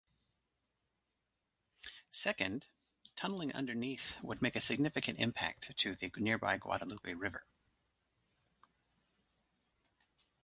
Second, tunneling underneath would make a significant environmental impact to the nearby Guadalupe River.